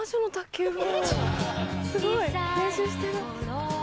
すごい練習してる。